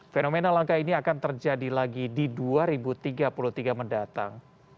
fenomena langka ini akan terjadi lagi di dua ribu tiga puluh tiga mendatang